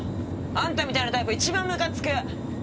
あんたみたいなタイプ一番むかつく！